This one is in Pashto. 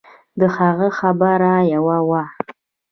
د هغه خبره يوه وه.